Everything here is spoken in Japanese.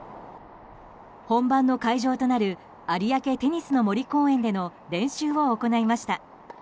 本番の会場となる有明テニスの森公園での練習を行いました。